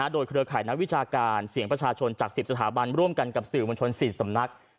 โดยเครือข่ายนักวิชาการเสียงประชาชนจาก๑๐สถาบันร่วมกันกับสื่อมวลชน๔สำนัก